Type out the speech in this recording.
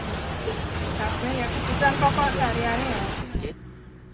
cabai yang kecuali pokok sehariannya